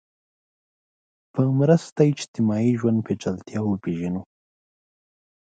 په مرسته اجتماعي ژوند پېچلتیا وپېژنو